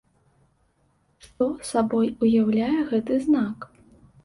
Што сабой уяўляе гэты знак?